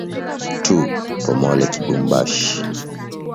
Tu pomole kibumbashi